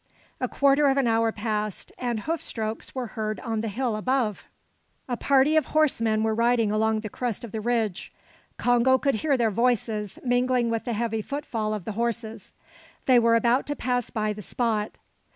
A quarter of an hour passed, and hoof strokes were heard on the hill above; a party of horsemen were riding along the crest of the ridge. Congo could hear their voices, mingling with the heavy footfall of the horses. They were about to pass by the spot.